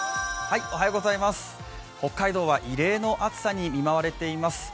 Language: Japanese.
北海道は異例の暑さに見舞われています。